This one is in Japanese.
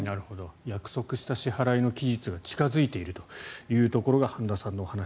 約束している支払の期日が近付いているというのが半田さんのお話。